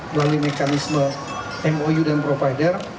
melalui mekanisme mou dan provider